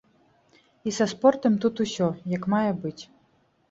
І са спортам тут усё, як мае быць.